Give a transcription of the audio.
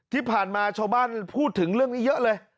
ที่ผ่านมาชาวบ้านพูดถึงเรื่องนี้เยอะเลย